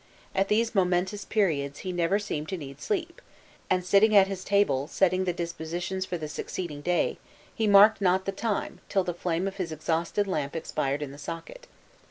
At these momentous periods he never seemed to need sleep; and sitting at his table setting the dispositions for the succeeding day, he marked not the time till the flame of his exhausted lamp expired in the socket.